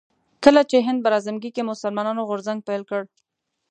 کله چې هند براعظمګي کې مسلمانانو غورځنګ پيل کړ